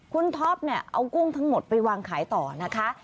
คุณท็อปเนี่ยเอากุ้งทั้งหมดไปวางขายต่อนะคะ